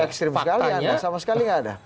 ekstrim sekalian sama sekali nggak ada